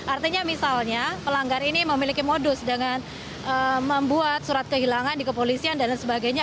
artinya misalnya pelanggar ini memiliki modus dengan membuat surat kehilangan di kepolisian dan sebagainya